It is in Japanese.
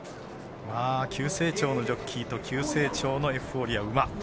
急成長のジョッキーと急成長のエフフォーリア、馬。